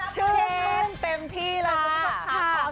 ชื่อนุ่มเต็มที่แล้ว